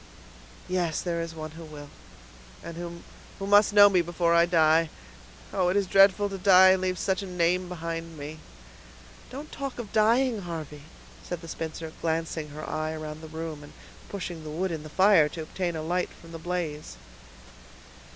"Yes, there is one who will, who must know me before I die! Oh! it is dreadful to die, and leave such a name behind me." "Don't talk of dying, Harvey," said the spinster, glancing her eye around the room, and pushing the wood in the fire to obtain a light from the blaze.